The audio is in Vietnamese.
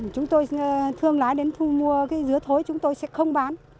chúng tôi thương lái đến thu mua cái dứa thối chúng tôi sẽ không bán